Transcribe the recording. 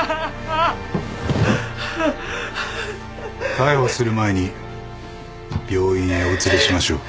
逮捕する前に病院へお連れしましょう。